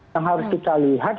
yang harus kita lihat